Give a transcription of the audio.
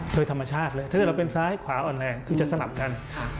โดยธรรมชาติเลยถ้าเกิดเราเป็นซ้ายขวาอ่อนแรงคือจะสลับกัน